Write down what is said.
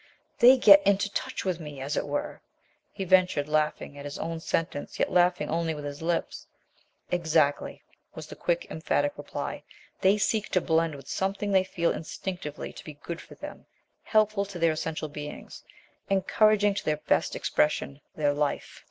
"They get into touch with me, as it were?" he ventured, laughing at his own sentence, yet laughing only with his lips. "Exactly," was the quick, emphatic reply. "They seek to blend with something they feel instinctively to be good for them, helpful to their essential beings, encouraging to their best expression their life."